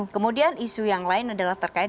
kemudian isu yang lain adalah terkait